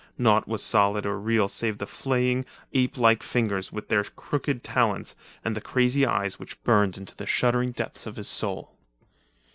Naught was solid or real save the flaying, apelike fingers with their crooked talons, and the crazy eyes which burned into the shuddering depths of his soul.